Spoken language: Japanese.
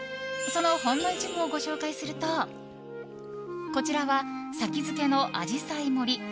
そのほんの一部をご紹介するとこちらは、先付けの紫陽花盛り